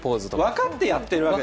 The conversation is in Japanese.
分かってやってるわけですね。